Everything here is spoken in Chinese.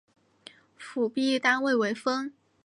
辅币单位为分。